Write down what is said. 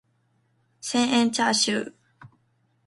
千円チャーシュー